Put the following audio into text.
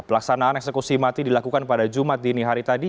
pelaksanaan eksekusi mati dilakukan pada jumat dini hari tadi